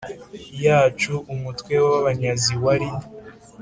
Yacu umutwe w abanyazi wari